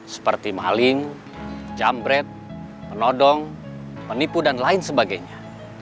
seperti maling jambret menodong penipu dan lain sebagainya